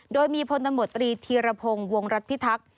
โดยมีพลตำรวจตรีธีรพงศ์วงรัฐพิทักษ์